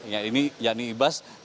yang ini yang berada di balai sudirman